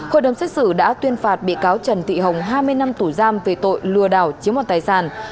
hội đồng xét xử đã tuyên phạt bị cáo trần thị hồng hai mươi năm tù giam về tội lừa đảo chiếm mọt tài sản